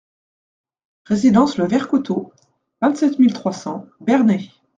Résidence le Vert Coteau, vingt-sept mille trois cents Bernay